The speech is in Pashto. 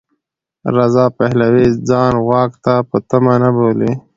رضا پهلوي ځان واک ته په تمه نه بولي.